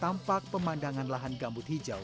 tampak pemandangan lahan gambut hijau